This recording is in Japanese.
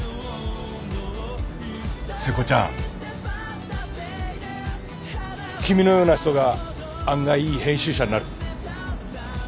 瀬古ちゃん君のような人が案外いい編集者になる。